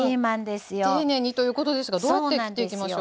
丁寧にということですがどうやって切っていきましょう？